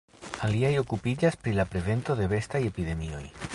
Aliaj okupiĝas pri la prevento de bestaj epidemioj.